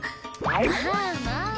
まあまあ。